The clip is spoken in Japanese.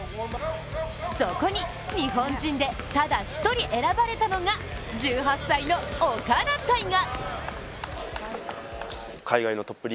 そこに日本人でただ一人選ばれたのが１８歳の岡田大河。